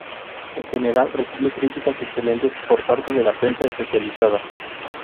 En general, recibió críticas excelentes por parte de la prensa especializada.